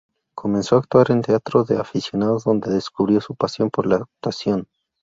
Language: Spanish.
Comenzó a actuar en teatro de aficionados, donde descubrió su pasión por la actuación.